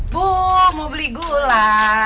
bu mau beli gula